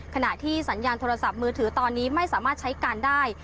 ขณะที่สัญญาณโทรศัพท์มือถือตอนนี้ไม่สามารถใช้การได้